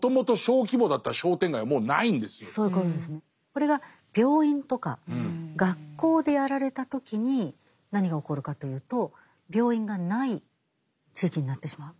これが病院とか学校でやられた時に何が起こるかというと病院がない地域になってしまう。